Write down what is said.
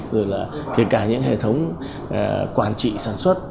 rồi là kể cả những hệ thống quản trị sản xuất